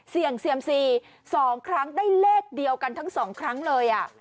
เสี่ยงเซียมซี๒ครั้งได้เลขเดียวกันทั้งสองครั้งเลย